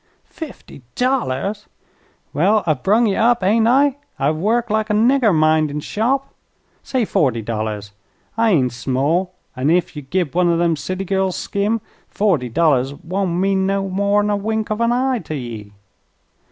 "Fifty dollars!" "Well, I've brung ye up, hain't I?" "I've worked like a nigger, mindin' shop." "Say forty dollars. I ain't small, an' ef ye git one o' them city gals, Skim, forty dollars won't mean no more'n a wink of an eye to ye."